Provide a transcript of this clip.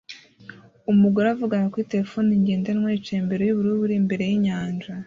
Umugore avugana kuri terefone ngendanwa yicaye imbere yubururu buri imbere yinyanja